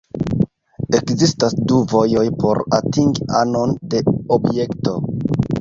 Ekzistas du vojoj por atingi anon de objekto.